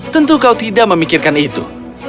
tentu kau tidak memikirkan itu